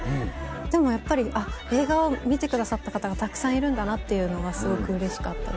でもやっぱり映画を見てくださった方がたくさんいるんだなっていうのがすごくうれしかったです。